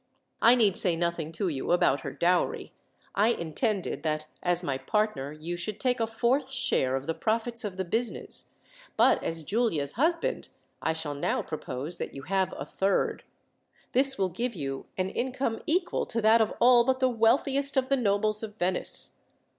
"I need say nothing to you about her dowry. I intended that, as my partner, you should take a fourth share of the profits of the business; but as Giulia's husband, I shall now propose that you have a third. This will give you an income equal to that of all but the wealthiest of the nobles of Venice.